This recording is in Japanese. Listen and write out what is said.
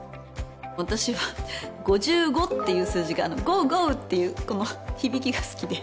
私は５５っていう数字がゴーゴーっていう響きが好きで。